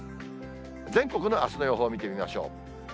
全国のあすの予報を見てみましょう。